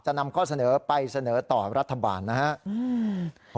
นำข้อเสนอไปเสนอต่อรัฐบาลนะครับ